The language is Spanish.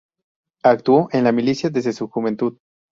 Actuó en la milicia desde su juventud.